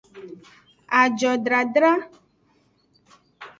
Ajodradra.